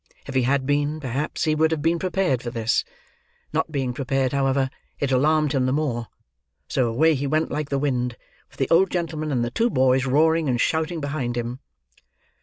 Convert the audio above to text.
If he had been, perhaps he would have been prepared for this. Not being prepared, however, it alarmed him the more; so away he went like the wind, with the old gentleman and the two boys roaring and shouting behind him.